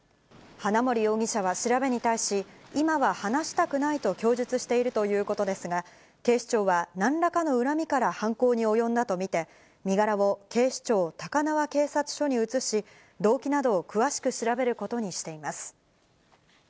花森容疑者は調べに対し、今は話したくないと供述しているということですが、警視庁は、なんらかの恨みから犯行に及んだと見て、身柄を警視庁高輪警察署に移し、動機などを詳しく調べることにしています。